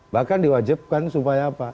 bahkan diwajibkan supaya apa